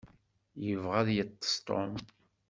Yebɣa ad yeṭṭeṣ Tom.